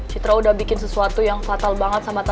citra udah bikin sesuatu yang fatal banget sama putri